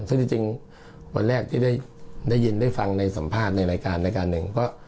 ซึ่งจริงวันแรกที่ได้ยินได้ฟังในสัมภาษณ์ในรายการรายการหนึ่งก็